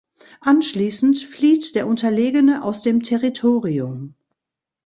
Anschließend flieht der Unterlegene aus dem Territorium.